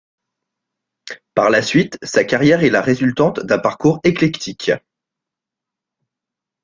Par la suite, sa carrière est la résultante d'un parcours éclectique.